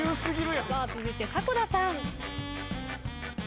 続いて迫田さん。